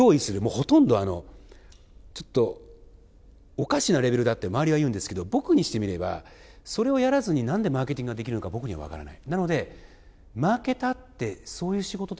ほとんどおかしなレベルだって周りは言うんですけど僕にしてみれば、それをやらずに何でマーケティングができるか分からない。